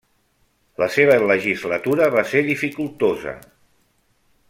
La seva legislatura va ser dificultosa.